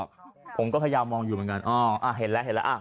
ผมก็ยังมองอยู่เหมือนกัน